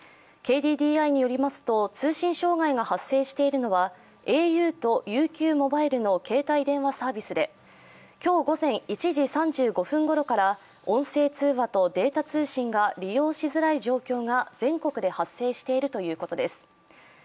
ＫＤＤＩによりますと通信障害が発生しているのはａｕとＵＱｍｏｂｉｌｅの携帯電話サービスで今日午前１時３５分頃から音声通話とデータ通信が利用しづらい状況が全国で発生しているということです。